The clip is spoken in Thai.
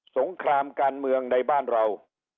งครามการเมืองในบ้านเรา